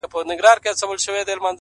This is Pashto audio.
o كه څه هم په دار وځړوو ـ